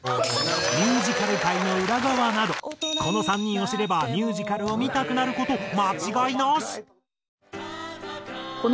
ミュージカル界の裏側などこの３人を知ればミュージカルを見たくなる事間違いなし！